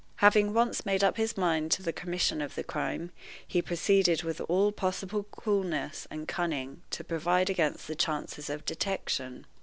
Having once made up his mind to the commission of the crime, he proceeded with all possible coolness and cunning to provide against the chances of detection.